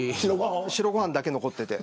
白ご飯だけ残ってて。